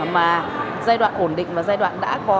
mà giai đoạn ổn định và giai đoạn đã có